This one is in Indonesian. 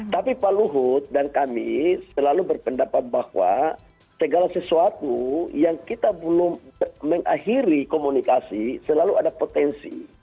tapi pak luhut dan kami selalu berpendapat bahwa segala sesuatu yang kita belum mengakhiri komunikasi selalu ada potensi